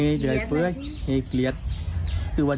ตอนนี้ก็เพิ่งที่จะสูญเสียคุณย่าไปไม่นาน